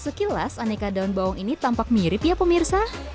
sekilas aneka daun bawang ini tampak mirip ya pemirsa